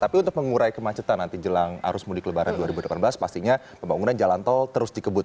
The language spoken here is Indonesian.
tapi untuk mengurai kemacetan nanti jelang arus mudik lebaran dua ribu delapan belas pastinya pembangunan jalan tol terus dikebut